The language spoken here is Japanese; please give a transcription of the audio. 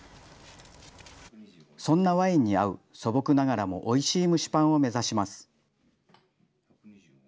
そんなワインに合う、素朴ながらもおいしい蒸しパンを目指します。